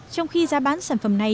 trong khi giá bán sản phẩm này